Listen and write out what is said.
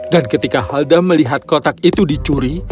dan ketika helda melihat kotak itu dicuri